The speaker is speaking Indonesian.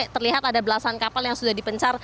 terlihat ada belasan kapal yang sudah dipencar